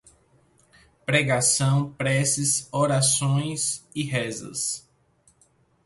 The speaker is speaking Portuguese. Pregação, preces, orações e rezas